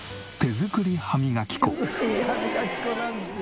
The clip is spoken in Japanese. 手作り歯みがき粉なんですよ。